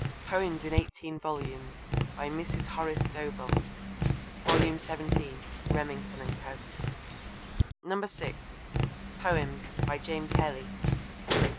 Poems in eighteen volumes. By Mrs. Horace Dobell. Vol. xvii. (Remington and Co.) (6) Poems. By James Kelly.